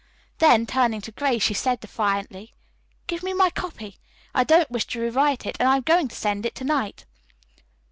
Then, turning to Grace, she said defiantly: "Give me my copy. I don't wish to rewrite it and I am going to send it to night."